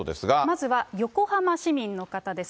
まずは横浜市民の方です。